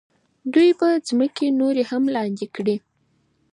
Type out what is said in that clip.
دوی به ځمکې نورې هم لاندې کړي.